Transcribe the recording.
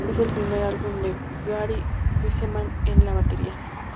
Es el primer álbum con Gary Wiseman en la batería.